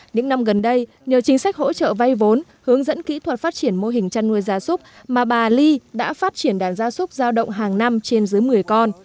những năm gần đây nhờ chính sách hỗ trợ vay vốn hướng dẫn kỹ thuật phát triển mô hình chăn nuôi gia súc mà bà ly đã phát triển đàn gia súc giao động hàng năm trên dưới một mươi con